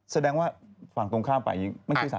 แสดงว่าฝั่งตรงข้ามไข่หญิงไม่ซื่อสัตย์